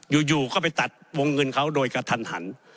อยู่ก็ไปตัดวงเงินเขาโดยกระทันหัน